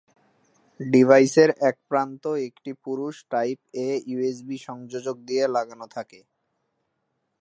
ডিভাইসের এক প্রান্ত একটি পুরুষ টাইপ-এ ইউ এস বি সংযোজক দিয়ে লাগানো থাকে।